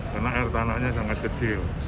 karena air tanahnya sangat kecil